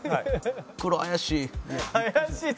袋怪しい。